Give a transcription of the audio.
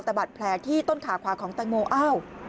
แต่บัตรแผลที่ต้นขาขวาของแตงโมอ้าว